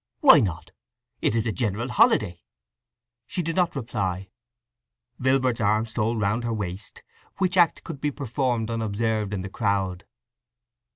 "Why not? It is a general holiday." She did not reply. Vilbert's arm stole round her waist, which act could be performed unobserved in the crowd.